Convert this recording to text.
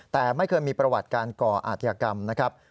แต่ไม่เคยมีประวัติการก่ออาจยากรรมนะครับ